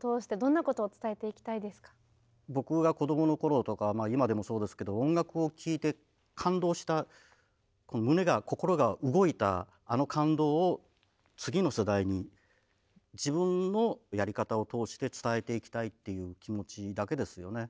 今後僕が子供の頃とか今でもそうですけど音楽を聴いて感動した胸が心が動いたあの感動を次の世代に自分のやり方を通して伝えていきたいっていう気持ちだけですよね。